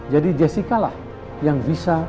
jadi jessica lah yang bisa